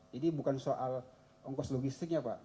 jadi bukan soal ongkos logistiknya pak